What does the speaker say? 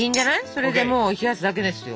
それでもう冷やすだけですよ。